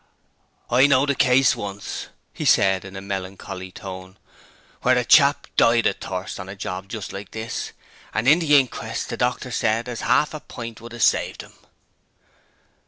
'I knowed a case once,' he said in a melancholy tone, 'where a chap died of thirst on a job just like this; and at the inquest the doctor said as 'arf a pint would 'a saved 'im!'